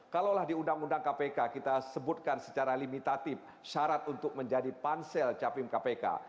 kalaulah di undang undang kpk kita sebutkan secara limitatif syarat untuk menjadi pansel capim kpk